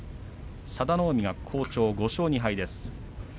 佐田の海が好調、５勝２敗です。